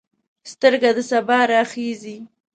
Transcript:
سترګه د سبا راخیژې